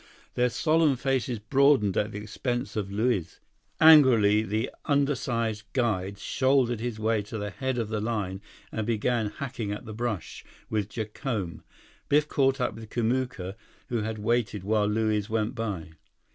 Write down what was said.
Their solemn faces broadened at the expense of Luiz. Angrily, the undersized guide shouldered his way to the head of the line and began hacking at the brush with Jacome. Biff caught up with Kamuka, who had waited while Luiz went by.